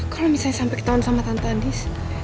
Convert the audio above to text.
kalau misalnya sampai ketahuan sama tante andis